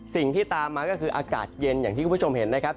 สิ่งที่ตามมาก็คืออากาศเย็นอย่างที่คุณผู้ชมเห็นนะครับ